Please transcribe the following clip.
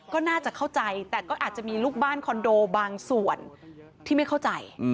ก็น่าจะเข้าใจแต่ก็อาจจะมีลูกบ้านคอนโดบางส่วนที่ไม่เข้าใจ